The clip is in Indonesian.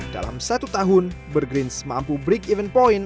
dalam satu tahun burgrins mampu break even point